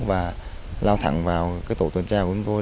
và lao thẳng vào tổ tuần trai của chúng tôi